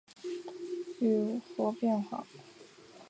雷阿隆人口变化图示